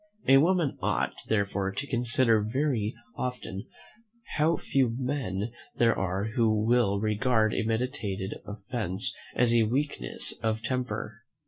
A woman ought, therefore, to consider very often how few men there are who will regard a meditated offence as a weakness of temper."